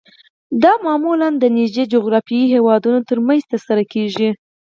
دا معمولاً د نږدې جغرافیایي هیوادونو ترمنځ ترسره کیږي